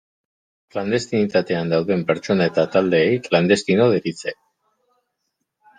Klandestinitatean dauden pertsona eta taldeei klandestino deritze.